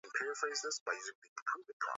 hadi mwaka elfu moja mia nane sabin